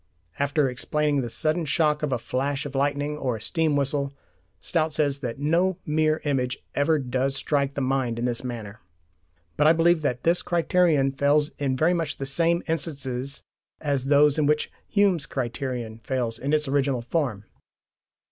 After explaining the sudden shock of a flash of lightning or a steam whistle, Stout says that "no mere image ever does strike the mind in this manner"(p. 417). But I believe that this criterion fails in very much the same instances as those in which Hume's criterion fails in its original form.